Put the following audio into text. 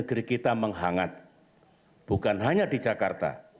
negeri kita menghangat bukan hanya di jakarta